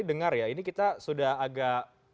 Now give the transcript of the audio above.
dengar ya ini kita sudah agak